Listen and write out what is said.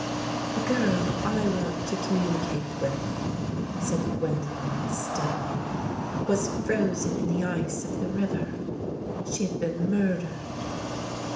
" The girl I want to communicate with," said Gwendolen steadily, " was frozen in the ice of the river. She had been murdered."